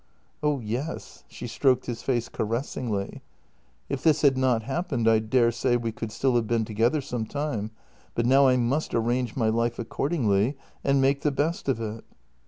" Oh yes." She stroked his face caressingly. " If this had not happened I daresay we could still have been together some time, but now I must arrange my life accordingly, and make the best of it."